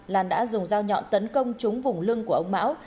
lan đã dùng dao nhọn tấn công chúng vùng lưng của ông mão